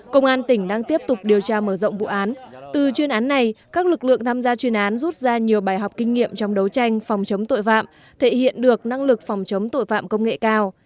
công an tỉnh đang tiếp tục điều tra mở rộng vụ án từ chuyên án này các lực lượng tham gia chuyên án rút ra nhiều bài học kinh nghiệm trong đấu tranh phòng chống tội phạm thể hiện được năng lực phòng chống tội phạm công nghệ cao